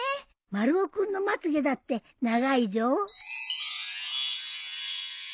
丸尾君のまつげだって長いじょ。